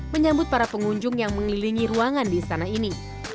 menyambut para pengunjung yang mengelilingi ruangan di istana ini